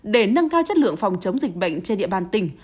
để nâng cao chất lượng phòng chống dịch bệnh trên địa bàn tỉnh